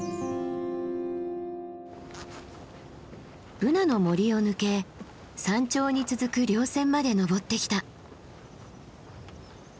ブナの森を抜け山頂に続く稜線まで登ってきた。